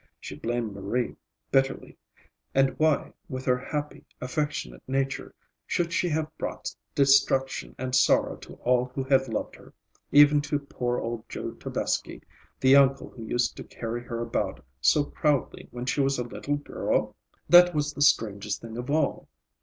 She blamed Marie bitterly. And why, with her happy, affectionate nature, should she have brought destruction and sorrow to all who had loved her, even to poor old Joe Tovesky, the uncle who used to carry her about so proudly when she was a little girl? That was the strangest thing of all.